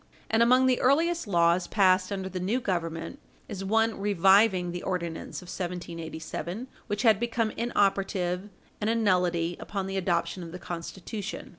And among the earliest laws passed under the new Government is one reviving the Ordinance of 1787, which had become inoperative and a nullity upon the adoption of the Constitution.